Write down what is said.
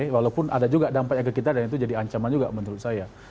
walaupun ada juga dampaknya ke kita dan itu jadi ancaman juga menurut saya